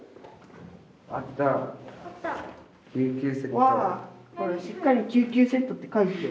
わあしっかり救急セットって書いてる。